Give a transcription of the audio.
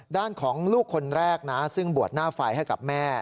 ด้านของลูกคนแรกนะซึ่งบวชหน้าไฟให้กับแม่